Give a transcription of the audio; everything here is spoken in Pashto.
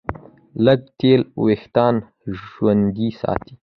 لږ تېل وېښتيان ژوندي ساتي.